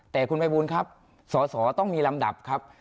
แต่คุณภัยบูลครับสอสอต้องมีลำดับครับ